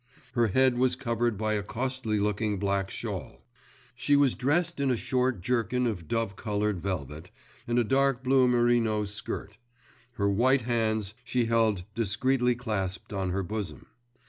Her head was covered by a costly looking black shawl. She was dressed in a short jerkin of dove coloured velvet, and a dark blue merino skirt; her white hands she held discreetly clasped on her bosom.